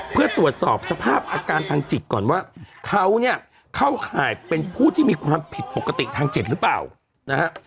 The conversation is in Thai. เพื่อตรวจสอบสภาพอาการทางจิตก่อนว่าเขาเนี่ยเข้าข่ายเป็นผู้ที่มีความผิดปกติทางจิตหรือเปล่านะฮะ